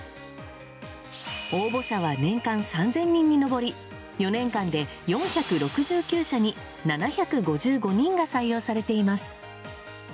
応募者は年間３０００人に上り４年間で４６９社に７５５人が採用されています。